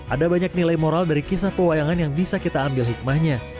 ada banyak nilai moral dari kisah pewayangan yang bisa kita ambil hikmahnya